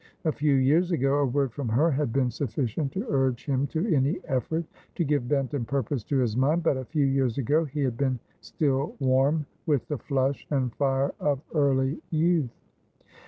A few years ago a word from her had been sufficient to urge him to any effort, to give bent and purpose to his mind ; but a few years ago he had been still warm with the flush and fire of early youth.